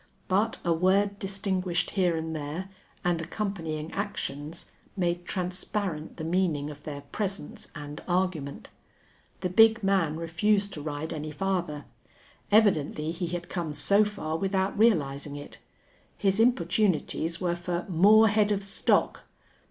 But a word distinguished here and there, and accompanying actions, made transparent the meaning of their presence and argument. The big man refused to ride any farther. Evidently he had come so far without realizing it. His importunities were for "more head of stock."